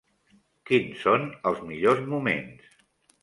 Quins són els millors moments?